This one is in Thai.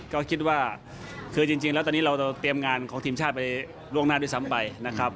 ก็คิดว่าคือจริงแล้วตอนนี้เราจะเตรียมงานของทีมชาติไปล่วงหน้าด้วยซ้ำไปนะครับ